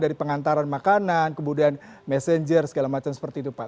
dari pengantaran makanan kemudian messenger segala macam seperti itu pak